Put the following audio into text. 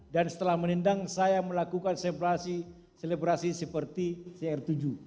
dan setelah menendang saya melakukan selebrasi seperti cr tujuh